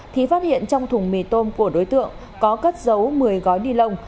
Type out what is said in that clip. thì phát hiện trong thùng mì tôm của đối tượng có cất giấu một mươi gói ni lông